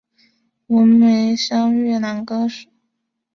文梅香越南女歌手。